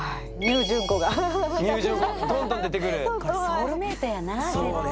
ソウルメイトやな絶対。